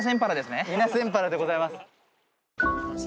イナセンパラでございます。